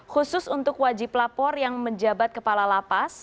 khusus untuk wajib lapor yang menjabat kepala lapas